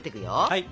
はい。